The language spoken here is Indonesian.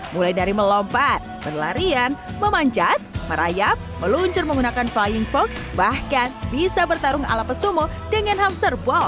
mulai dari melompat berlarian memanjat merayap meluncur menggunakan flying fox bahkan bisa bertarung ala pesumo dengan hamster ball